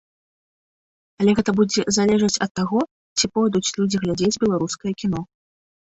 Але гэта будзе залежаць ад таго, ці пойдуць людзі глядзець беларускае кіно.